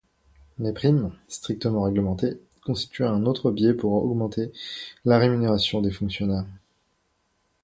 Les primes, strictement réglementées, constituent un autre biais pour augmenter la rémunération des fonctionnaires.